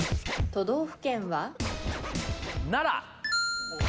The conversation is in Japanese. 都道府県は？